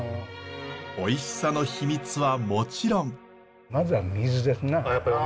おいしさの秘密はもちろん。